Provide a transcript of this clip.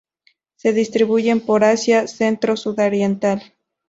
Se distribuyen por Asia centro-sudoriental.